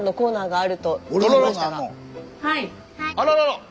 あららら。